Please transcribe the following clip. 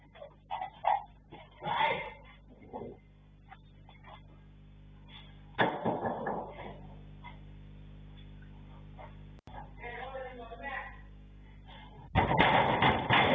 บอกพี่พูดมาฮะ